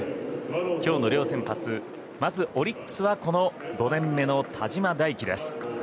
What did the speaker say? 今日の両先発、まずオリックスは５年目の田嶋大樹。